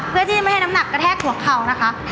เพื่อที่จะไม่ให้น้ำหนักกระแทกหัวเข่านะคะ